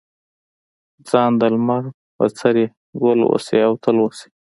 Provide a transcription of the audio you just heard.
ځار د لمر بڅريه، ګل اوسې او تل اوسې